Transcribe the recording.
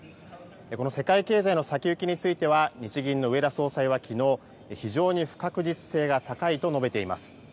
この世界経済の先行きについては日銀の植田総裁はきのう非常に不確実性が高いと述べています。